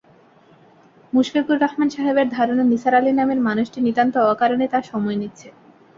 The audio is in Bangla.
মুসফেকুর রহমান সাহেবের ধারণা, নিসার আলি নামের মানুষটি নিতান্ত অকারণে তাঁর সময় নিচ্ছে।